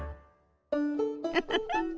ウフフ。